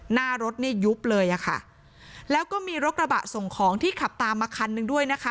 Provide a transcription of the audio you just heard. หน้ารถเนี่ยยุบเลยอ่ะค่ะแล้วก็มีรถกระบะส่งของที่ขับตามมาคันหนึ่งด้วยนะคะ